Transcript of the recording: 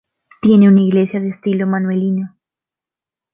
Tiene una iglesia de estilo manuelino.